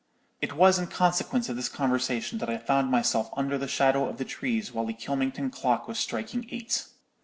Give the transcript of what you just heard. "It was in consequence of this conversation that I found myself under the shadow of the trees while the Kylmington clock was striking eight.